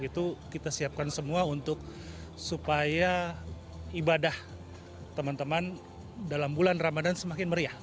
itu kita siapkan semua untuk supaya ibadah teman teman dalam bulan ramadan semakin meriah